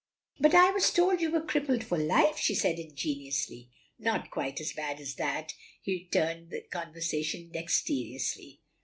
"But I was told you were crippled for life," she said ingenuously. "Not quite so bad as that." He turned the conversation dexterously.